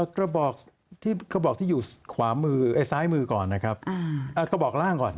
กระบอกที่กระบอกที่อยู่ขวามือไอ้ซ้ายมือก่อนนะครับกระบอกร่างก่อน